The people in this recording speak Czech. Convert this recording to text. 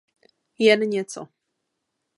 Jen něco.